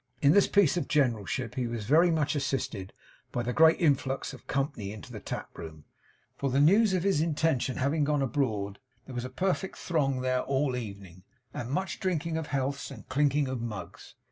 In this piece of generalship he was very much assisted by the great influx of company into the taproom; for the news of his intention having gone abroad, there was a perfect throng there all the evening, and much drinking of healths and clinking of mugs.